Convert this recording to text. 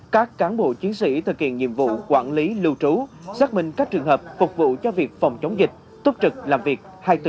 các cán bộ chiến sĩ thực hiện nhiệm vụ quản lý lưu trú xác minh các trường hợp phục vụ cho việc phòng chống dịch tốt trực làm việc hai mươi bốn